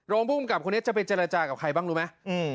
ภูมิกับคนนี้จะไปเจรจากับใครบ้างรู้ไหม